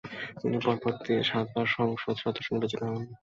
তিনি পরপর সাতবার সংসদ সদস্য নির্বাচিত হন।